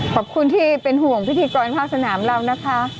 ขอบคุณที่เป็นห่วงพิธีกรภาคสนามเรานะคะ